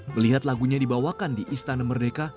melihat lagunya dibawakan di istana merdeka